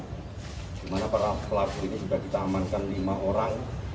dimana para pelaku ini sudah ditamankan lima orang